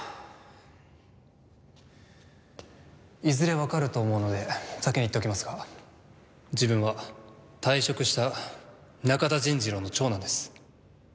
いずれわかると思うので先に言っておきますが自分は退職した中田善次郎の長男です。